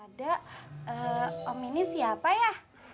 ada om ini siapa ya